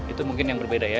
itu mungkin yang berbeda ya